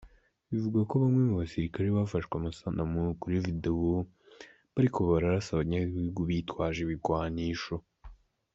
Bivugwa ko bamwe mu basirikare bafashwe amasanamu kuri video bariko bararasa abanyagihugu bititwaje ibigwanisho.